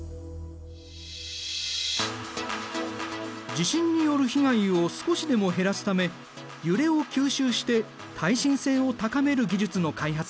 地震による被害を少しでも減らすため揺れを吸収して耐震性を高める技術の開発が進んでいる。